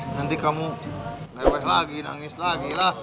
nanti kamu leweh lagi nangis lagi lah